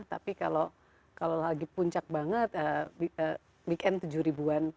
tapi kalau lagi puncak banget weekend tujuh ribuan